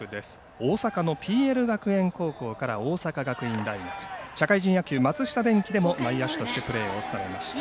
大阪のＰＬ学園高校から大阪学院大学社会人野球松下電器でも内野手としてプレーをされました。